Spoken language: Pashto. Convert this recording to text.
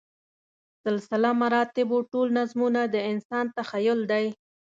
سلسله مراتبو ټول نظمونه د انسان تخیل دی.